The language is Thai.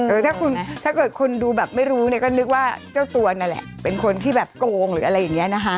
ถ้าเกิดคนดูแบบไม่รู้เนี่ยก็นึกว่าเจ้าตัวนั่นแหละเป็นคนที่แบบโกงหรืออะไรอย่างนี้นะคะ